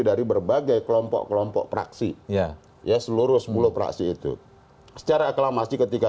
dari berbagai kelompok kelompok praksi ya seluruh sepuluh praksi itu secara aklamasi ketika